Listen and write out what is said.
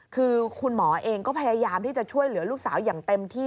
คือคุณหมอเองก็พยายามที่จะช่วยเหลือลูกสาวอย่างเต็มที่